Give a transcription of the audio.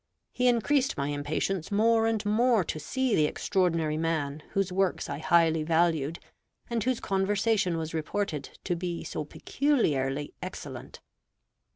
He increased my impatience more and more to see the extraordinary man whose works I highly valued, and whose conversation was reported to be so peculiarly excellent.